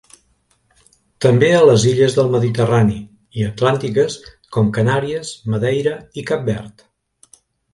També a les Illes del mediterrani i atlàntiques com Canàries, Madeira i Cap Verd.